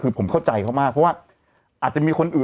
คือผมเข้าใจเขามากเพราะว่าอาจจะมีคนอื่น